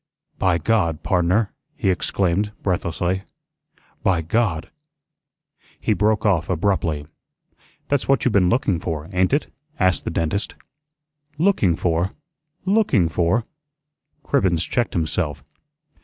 "By God, pardner," he exclaimed, breathlessly. "By God " he broke off abruptly. "That's what you been looking for, ain't it?" asked the dentist. "LOOKING for! LOOKING for!" Cribbens checked himself.